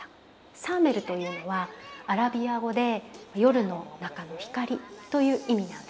サーメルというのはアラビア語で「夜の中の光」という意味なんです。